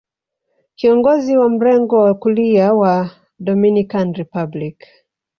Kiongozi wa mrengo wa kulia wa Dominican Republic